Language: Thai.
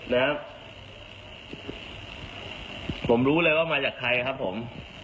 แล้วผมรู้เลยว่ามาจากใครครับผม